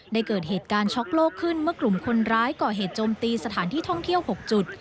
เกิดเหตุการณ์ช็อกโลกขึ้นเมื่อกลุ่มคนร้ายก่อเหตุโจมตีสถานที่ท่องเที่ยว๖จุด